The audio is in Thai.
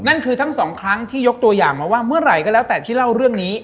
นั่นคือทั้งสองครั้งที่ยกตัวอย่างมาว่าเมื่อไหร่ก็แล้วแต่ที่เล่าเรื่องนี้